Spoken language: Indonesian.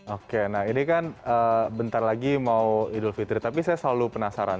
oke nah ini kan bentar lagi mau idul fitri tapi saya selalu penasaran